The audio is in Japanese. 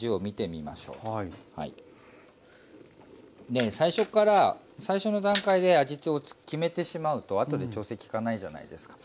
で最初から最初の段階で味を決めてしまうと後で調整きかないじゃないですか。